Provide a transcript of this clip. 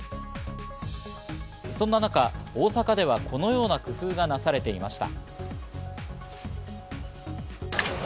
そんな中、大阪ではこのような工夫がなされていました。